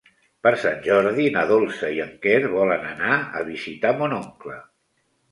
Per Sant Jordi na Dolça i en Quer volen anar a visitar mon oncle.